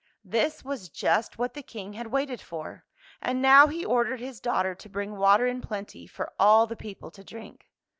This was just what the King had waited for, and now he ordered his daughter to bring water in plenty, for all the people to drink.